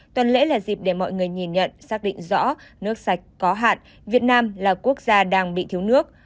tuần lễ là dịp để mọi người nhìn nhận xác định rõ nước sạch có hạn việt nam là quốc gia đang bị thiếu nước